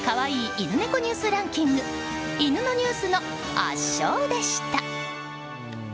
犬猫ニュースランキング犬のニュースの圧勝でした。